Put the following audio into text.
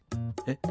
えっ？